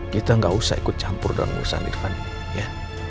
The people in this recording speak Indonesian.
kita gak usah ikut campur dalam urusan irfan ya